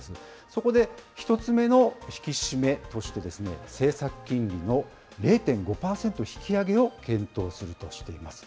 そこで１つ目の引き締めとして、政策金利の０．５％引き上げを検討するとしています。